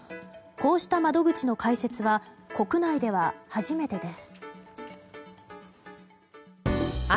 こうした窓口の開設は国内では初めてです。